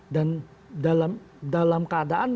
dan dalam keadaan yang memang melihatnya